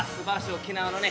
沖縄のね